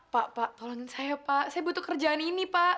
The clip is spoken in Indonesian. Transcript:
pak tolongin saya pak saya butuh kerjaan ini pak